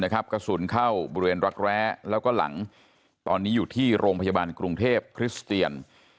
กระสุนเข้าบริเวณรักแร้แล้วก็หลังตอนนี้อยู่ที่โรงพยาบาลกรุงเทพคริสเตียน